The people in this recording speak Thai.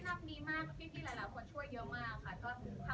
ก็แบบช่วยแนะนำดีมากพี่หลายคนช่วยเยอะมากค่ะ